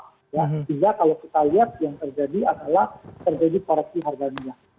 sehingga kalau kita lihat yang terjadi adalah terjadi koreksi harga minyak